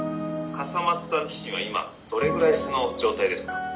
「笠松さん自身は今どれぐらい素の状態ですか？